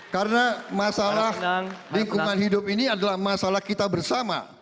karena masalah lingkungan hidup ini adalah masalah kita bersama